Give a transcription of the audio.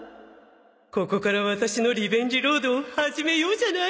ここからワタシのリベンジロードを始めようじゃない！